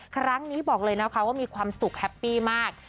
ครั้งนี้บอกเลยนะคะว่ามีความสุขแฮปปี้มาก